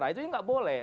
nah itu nggak boleh